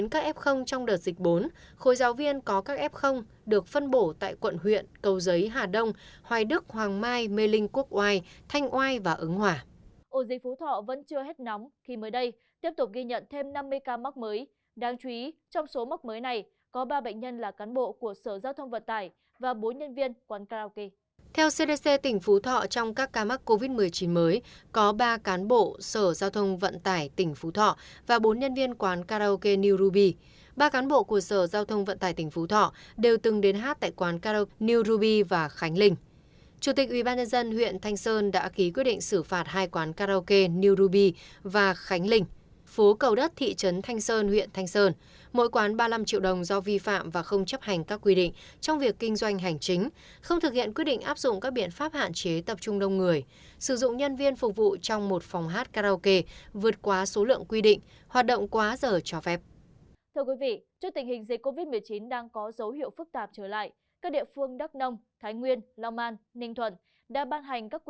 các địa phương đắk nông thái nguyên long an ninh thuận đã ban hành các quy định chính sách mới nhằm kiềm chế dịch lây lan